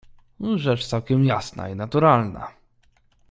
"Rzecz całkiem jasna i naturalna."